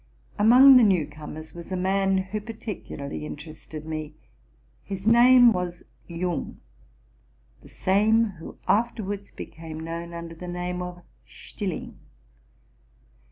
Among the new comers was a man who particularly interested me: his name was Jung, the same who afterwards became known under the name of Stilling.